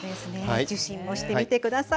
受診してみてください。